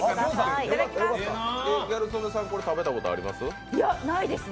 これ食べたことあります？